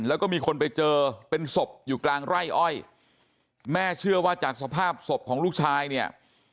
แล้วก็มีคนไปเจอเป็นศพอยู่กลางไร่อ้อยแม่เชื่อว่าจากสภาพศพของลูกชายเนี่ย